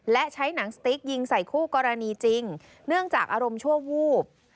และใช้หนังสติ๊กยิงใส่คู่กรณีจริงเนื่องจากอารมณ์ชั่ววูบ